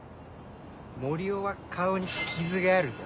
森生は顔に傷があるぞ。